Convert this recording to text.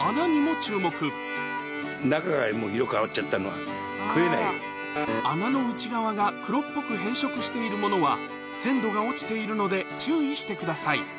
おいしいレンコンを穴の内側が黒っぽく変色しているものは鮮度が落ちているので注意してください